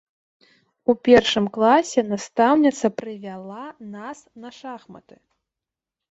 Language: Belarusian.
У першым класе настаўніца прывяла нас на шахматы.